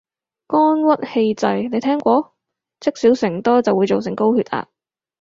肝鬱氣滯，你聽過？積少成多就會做成高血壓